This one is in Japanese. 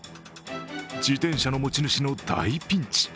自転車の持ち主の大ピンチ。